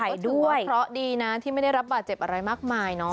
ก็ถือว่าเคราะห์ดีนะที่ไม่ได้รับบาดเจ็บอะไรมากมายเนาะ